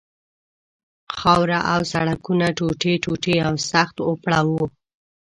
خاوره او سړکونه ټوټې ټوټې او سخت اوپړه وو.